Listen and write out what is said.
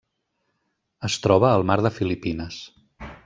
Es troba al Mar de Filipines.